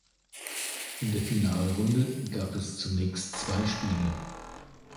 In der Finalrunde gab es zunächst zwei Spiele.